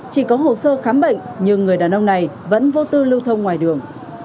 chỉ có hồ sơ khám bệnh nhưng người đàn ông này vẫn vô tư lưu thông ngoài đường